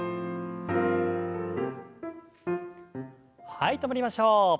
はい止まりましょう。